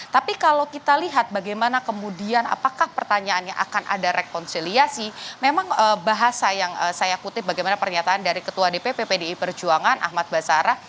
tapi kalau kita lihat bagaimana kemudian apakah pertanyaannya akan ada rekonsiliasi memang bahasa yang saya kutip bagaimana pernyataan dari ketua dpp pdi perjuangan ahmad basara